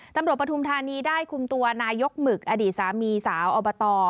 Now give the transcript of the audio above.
ปฐุมธานีได้คุมตัวนายกหมึกอดีตสามีสาวอบต